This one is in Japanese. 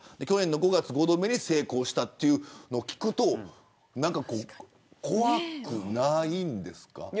去年の５月、５度目に成功したっていうのを聞くと何か、こう怖くないんですか。